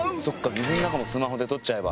水の中もスマホで撮っちゃえば。